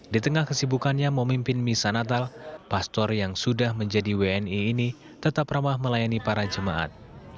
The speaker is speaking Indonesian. di tengah kesibukannya memimpin misa natal pastor yang sudah menjadi wni ini tetap ramah melayani para jemaat